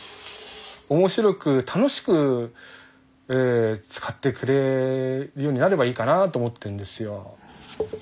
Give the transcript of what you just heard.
面白く楽しく使ってくれるようになればいいかなと思ってるんですよ。